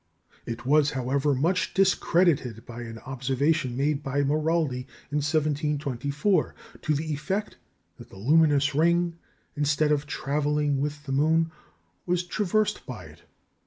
It was, however, much discredited by an observation made by Maraldi in 1724, to the effect that the luminous ring, instead of travelling with the moon, was traversed by it.